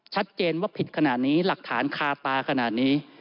ชัดเจนว่าผิดขนาดนี้หลักฐานคาตาขนาดนี้